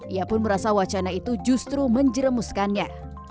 ia pun merasa wacana itu justru menjeremuskannya